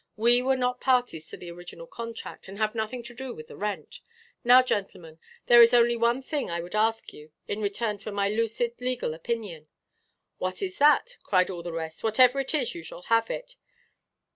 We were not parties to the original contract, and have nothing to do with the rent. Now, gentlemen, there is only one thing I would ask you, in return for my lucid legal opinion." "What is that?" cried all the rest; "whatever it is, you shall have it."